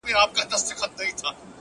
ورځه وريځي نه جــلا ســـولـه نـــن.!